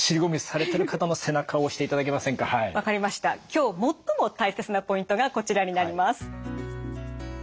今日最も大切なポイントがこちらになります。